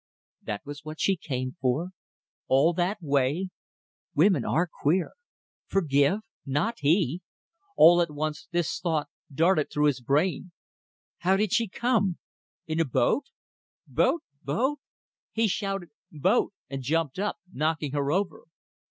That was what she came for! All that way. Women are queer. Forgive. Not he! ... All at once this thought darted through his brain: How did she come? In a boat. Boat! boat! He shouted "Boat!" and jumped up, knocking her over.